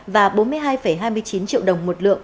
và bốn mươi hai hai mươi chín triệu đồng một lượng